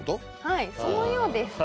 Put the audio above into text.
はいそのようです。